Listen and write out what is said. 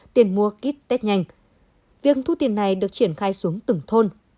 tiền mua kít tết nhanh việc thu tiền này được triển khai xuống từng thôn